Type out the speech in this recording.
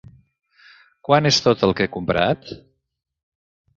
Quant és tot el que he comprat?